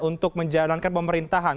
untuk menjalankan pemerintahan